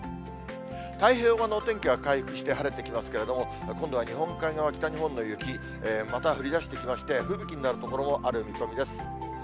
太平洋側のお天気は回復して晴れてきますけれども、今度は日本海側、北日本の雪、また降りだしてきまして、吹雪になる所もある見込みです。